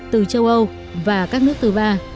từ châu âu và các nước thứ ba